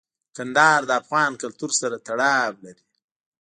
کندهار د افغان کلتور سره تړاو لري.